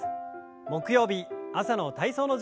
木曜日朝の体操の時間です。